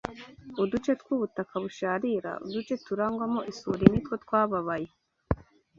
uduce tw’ubutaka busharira, uduce turangwamo isuri ni two twababaye